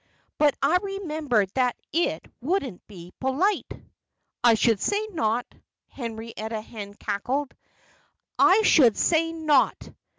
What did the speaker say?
"But I remembered that it wouldn't be polite." "I should say not!" Henrietta Hen cackled. "I should say not!"